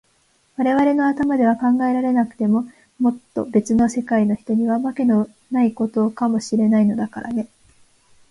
われわれの頭では考えられなくても、もっとべつの世界の人には、わけもないことかもしれないのだからね。